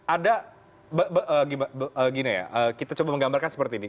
ada gini ya kita coba menggambarkan seperti ini